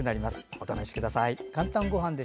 お試しください。